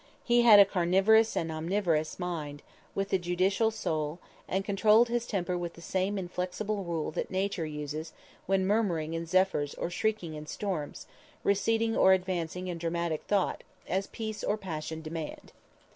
He had a carnivorous and omnivorous mind, with a judicial soul, and controlled his temper with the same inflexible rule that Nature uses when murmuring in zephyrs or shrieking in storms, receding or advancing in dramatic thought, as peace or passion demanded.